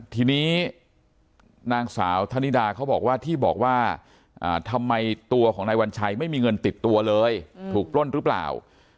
ทีนี้นางสาวธนิดาเขาบอกว่าที่บอกว่าทำไมตัวของนายวัญชัยไม่มีเงินติดตัวเลยถูกปล้นหรือเปล่า